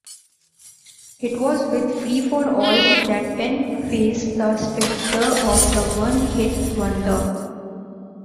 It was with "Free-for-All" that Penn faced the specter of the one-hit wonder.